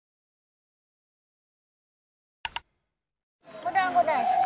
おだんご大好き。